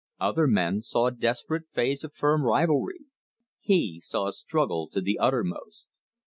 Other men saw a desperate phase of firm rivalry; he saw a struggle to the uttermost.